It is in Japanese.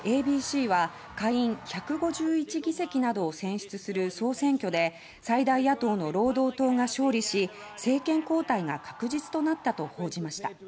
ＡＢＣは下院１５１議席などを選出する総選挙で最大野党の労働党が勝利し政権交代が確実となったと報じました。